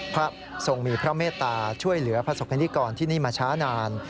พระทรงมีพระเมตตาช่วยเหลือพระศกนิกรที่นี่มาช้านาน